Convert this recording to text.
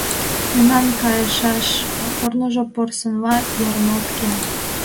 Мемнан кайышаш корныжо порсынла ярымалт кия.